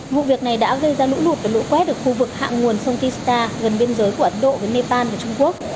vụ việc này đã gây ra lũ lụt và lũ quét ở khu vực hạ nguồn sông tista gần biên giới của ấn độ với nepal và trung quốc